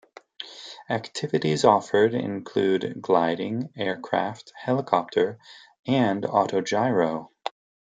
Activities offered include gliding, aircraft, helicopter, and Autogyro.